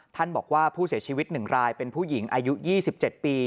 ท่านบอกว่าผู้เสียชีวิต๑รายเป็นผู้หญิงอายุ๒๗ปี